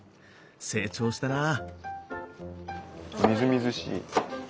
成長したなあ。